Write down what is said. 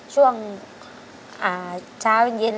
ช่วงเสร็จช้าเว้นเย็น